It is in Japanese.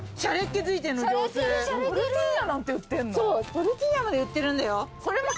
トルティーヤまで売ってるんだよ。